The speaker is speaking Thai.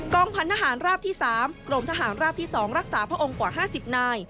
องพันธหารราบที่๓กรมทหารราบที่๒รักษาพระองค์กว่า๕๐นาย